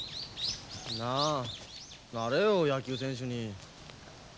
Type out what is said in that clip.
なあなれよ野球選手に。